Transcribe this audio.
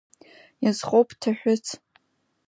Иазхоуп Ҭаҳәыц!